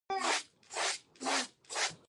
د چین - افغانستان ریل پټلۍ لویه پروژه ده